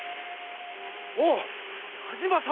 おお矢島様！